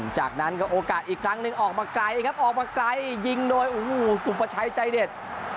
จากนั้นก็โอกาสอีกครั้งหนึ่งออกมาไกลครับออกมาไกลยิงโดยโอ้โหสุภาชัยใจเด็ด